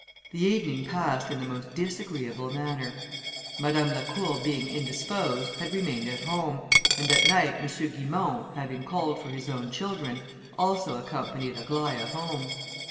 The evening passed in the most disagreeable manner. Madame Lacour being indisposed, had remained at home, and at night M. Guimont, having called for his own children, also accompanied Aglaïa home.